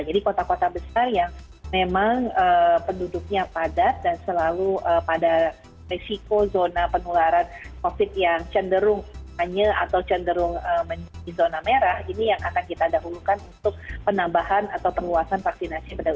jadi kota kota besar yang memang penduduknya padat dan selalu pada risiko zona penularan covid yang cenderung hanya atau cenderung menjadi zona merah ini yang akan kita dahulukan untuk penambahan atau penguasan vaksinasi